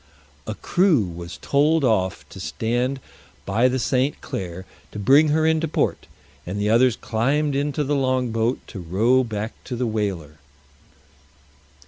A crew was told off to stand by the St. Clare to bring her into port, and the others climbed into the long boat to row back to the whaler.